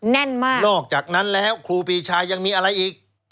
แน่นมากนอกจากนั้นแล้วครูปีชายังมีอะไรอีก